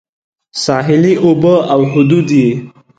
ساحلي اوبه او حدود یې